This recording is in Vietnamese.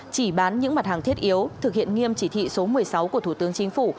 chỉ bán những mặt hàng thiết yếu thực hiện nghiêm chỉ thị số một mươi sáu của thủ tướng chính phủ